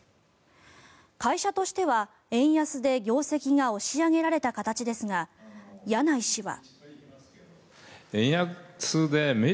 会社としては円安で業績が押し上げられた形ですが柳井氏は。